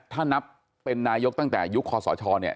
ถ้านับเป็นนายกตั้งแต่ยุคคอสชเนี่ย